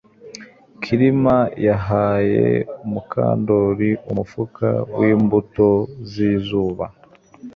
Kirima yahaye Mukandoli umufuka wimbuto zizuba